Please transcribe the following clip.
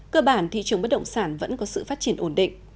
cơ bản thị trường bất động sản vẫn có sự phát triển ổn định